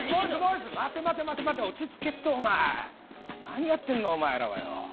待て待て落ち着けってお前何やってんのお前らはよ